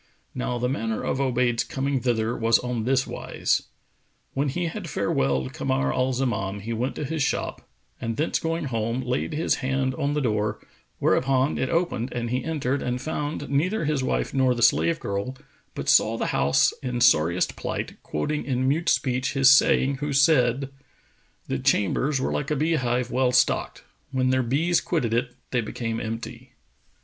Now the manner of Obayd's coming thither was on this wise. When he had farewelled Kamar al Zaman, he went to his shop and thence going home, laid his hand on the door, whereupon it opened and he entered and found neither his wife nor the slave girl, but saw the house in sorriest plight, quoting in mute speech his saying who said,[FN#453] "The chambers were like a bee hive well stocked: * When their bees quitted it, they became empty."